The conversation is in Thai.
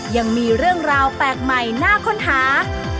ยังมีเรื่องราวแปลกใหม่น่าค้นหา